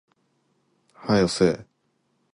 早よせえ